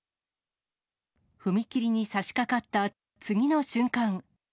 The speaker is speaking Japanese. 踏切にさしかかった次の瞬間。